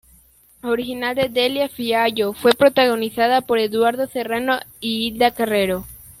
Original de Delia Fiallo, fue protagonizada por Eduardo Serrano y Hilda Carrero.